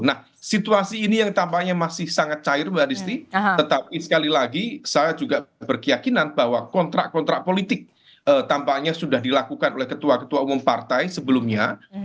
nah situasi ini yang tampaknya masih sangat cair mbak distri tetapi sekali lagi saya juga berkeyakinan bahwa kontrak kontrak politik tampaknya sudah dilakukan oleh ketua ketua umum partai sebelumnya